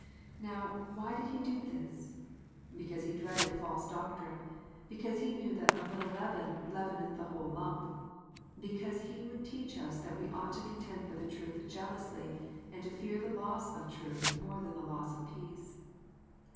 Now, why did he do this 1 ? Because he dreaded false doctrine, because he knew that a little leaven leaveneth the whole lump, because he would teach us that we ought to contend for the truth jealously, and to fear the loss of truth more than the loss of peace.